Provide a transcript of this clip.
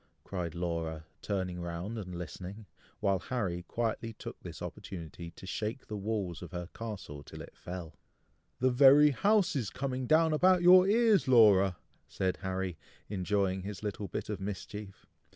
cried Laura, turning round and listening, while Harry quietly took this opportunity to shake the walls of her castle till it fell. "The very house is coming down about your ears, Laura!" said Harry, enjoying his little bit of mischief.